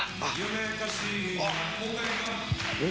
えっ？